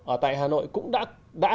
ở tại hà nội cũng đã